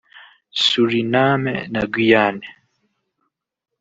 Suriname na Guyane